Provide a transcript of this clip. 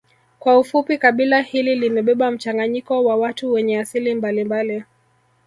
Kwa ufupi kabila hili limebeba mchanganyiko wa watu wenye asili mbalimbali